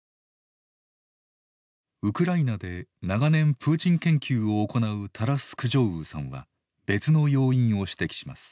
ウクライナで長年プーチン研究を行うタラス・クジョウーさんは別の要因を指摘します。